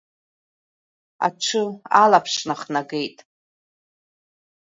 Аҽы алаԥш нахнагеит.